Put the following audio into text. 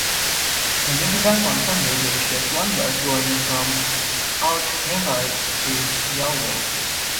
In wintertime on Sunday there is just one bus going from Oughterard to Galway.